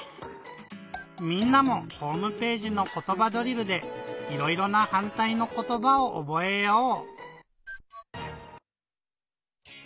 みんなもホームページの「ことばドリル」でいろいろなはんたいのことばをおぼえよう！